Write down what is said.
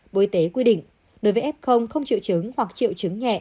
bộ y tế quy định đối với f không triệu chứng hoặc triệu chứng nhẹ